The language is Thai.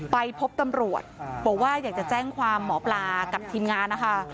ไปพบตำรวจบอกว่าอยากจะแจ้งความหมอปลากับทีมงานนะคะ